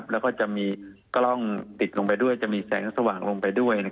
แล้วก็จะมีกล้องติดลงไปด้วยจะมีแสงสว่างลงไปด้วย